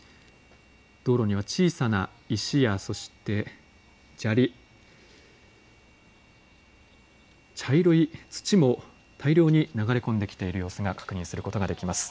道路には小さな石や、そして砂利、茶色い土も大量に流れ込んできている様子が確認することができます。